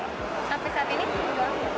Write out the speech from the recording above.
sampai saat ini